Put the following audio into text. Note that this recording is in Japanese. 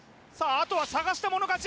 あとは捜したもの勝ち！